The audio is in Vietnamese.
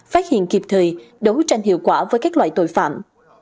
phát hiện kịp thời đấu tranh hiệu quả với các loại tội phạm